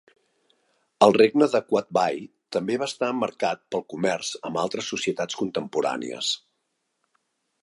El regne de Qaitbay també va estar marcat pel comerç amb altes societats contemporànies.